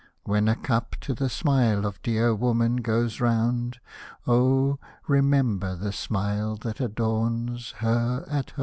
When a cup to the smile of dear woman .goes round, Oh ! remember the smile that adorns her at home.